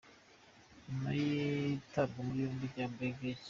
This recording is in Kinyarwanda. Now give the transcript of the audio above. Nyuma y’itabwa muri yombi rya Brig.